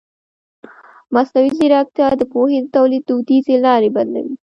مصنوعي ځیرکتیا د پوهې د تولید دودیزې لارې بدلوي.